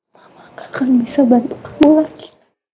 mama gak akan bisa bantu kamu lagi